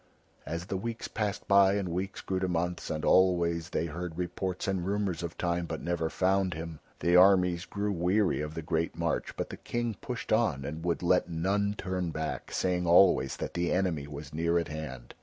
As the weeks passed by and weeks grew to months, and always they heard reports and rumours of Time, but never found him, the armies grew weary of the great march, but the King pushed on and would let none turn back, saying always that the enemy was near at hand.